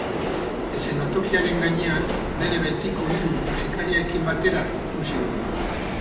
Eszenatokiaren gainean bere betiko hiru musikariekin batera ikusi dugu.